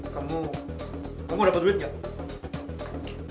kamu kamu dapat duit gak